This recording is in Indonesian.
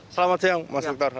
selamat siang mas duktar